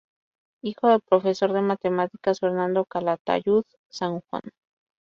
Hijo del profesor de matemáticas Fernando Calatayud San Juan.